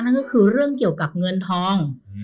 นั่นก็คือเรื่องเกี่ยวกับเงินทอง